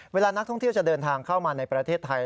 เวลานักท่องเที่ยวจะเดินทางเข้ามาในประเทศไทย